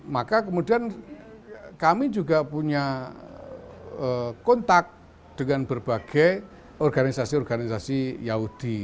maka kemudian kami juga punya kontak dengan berbagai organisasi organisasi yahudi